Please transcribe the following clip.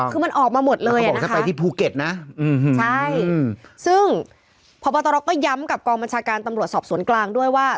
คือมันออกมาหมดเลยนะคะใช่ซึ่งพตรก็ย้ำกับกองบัญชาการตำรวจสอบสวนกลางด้วยว่า